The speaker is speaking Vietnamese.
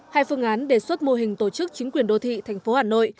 hai phương án đề xuất mô hình tổ chức chính quyền đô thị thành phố hà nội